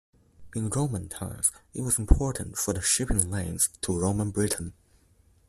In Roman times, it was important for the shipping lanes to Roman Britain.